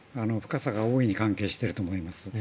深さが大いに関係していると思います。